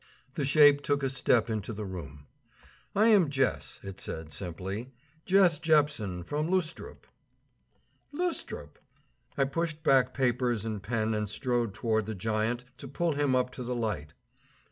The shape took a step into the room. "I am Jess," it said simply, "Jess Jepsen from Lustrup." "Lustrup!" I pushed back papers and pen and strode toward the giant to pull him up to the light.